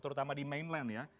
terutama di mainland ya